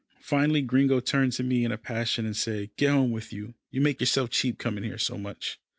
Finally Gringo turned to me in a passion, and said, "Get home with you you make yourself cheap coming here so much."